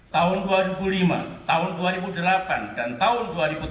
tahun dua ribu lima tahun dua ribu delapan dan tahun dua ribu tujuh belas